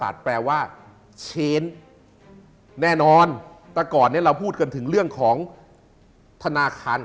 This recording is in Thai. ทั่วโลกล้มกระดาน